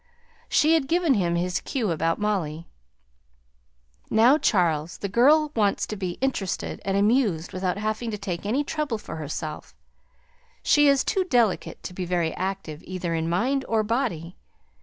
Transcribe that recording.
She had given him his cue about Molly. "Now, Charles, the girl wants to be interested and amused without having to take any trouble for herself; she is too delicate to be very active either in mind or body.